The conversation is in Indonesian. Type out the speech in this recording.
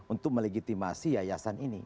untuk melegitimasi yayasan ini